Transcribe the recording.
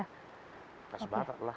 khas batak lah